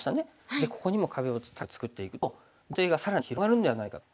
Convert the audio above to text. でここにも壁を高く作っていくと豪邸が更に広がるんではないかと。